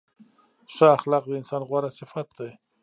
ښه اخلاق د انسان غوره صفت دی.